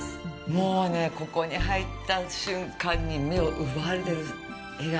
もうね、ここに入った瞬間に目を奪われる絵が。